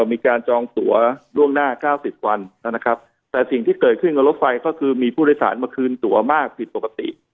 จองตัวล่วงหน้า๙๐วันนะครับแต่สิ่งที่เกิดขึ้นกับรถไฟก็คือมีผู้โดยสารมาคืนตัวมากผิดปกติ